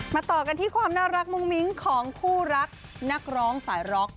ต่อกันที่ความน่ารักมุ้งมิ้งของคู่รักนักร้องสายร็อก